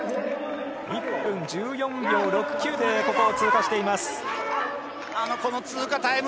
１分１４秒６９で通過しました。